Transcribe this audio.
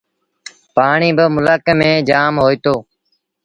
پآڻيٚ با ملڪ ميݩ جآم هوئيٚتو۔